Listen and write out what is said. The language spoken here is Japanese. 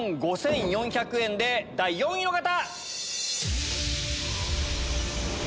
２万５４００円で第４位の方！